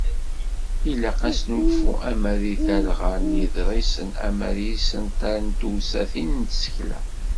Ilaq asnulfu ama deg talɣa n yiḍrisen ama deg yisental d tewsatin n tsekla.